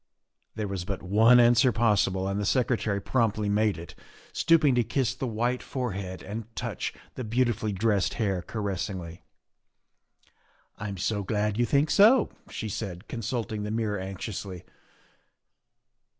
There was but one answer possible and the Secretary promptly made it, stooping to kiss the white forehead and touch the beautifully dressed hair caressingly. " I'm so glad you think so," she said, consulting the mirror anxiously.